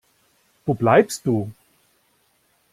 Wo bleibst du?